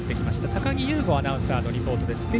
高木優吾アナウンサーのリポートです。